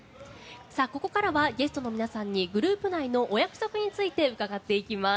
ここからはゲストの皆さんにグループ内のお約束について伺っていきます。